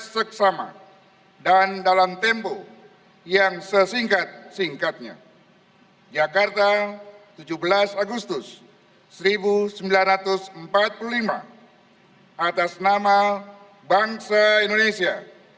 seksama dan dalam tempo yang sesingkat singkatnya jakarta tujuh belas agustus seribu sembilan ratus empat puluh lima atas nama bangsa indonesia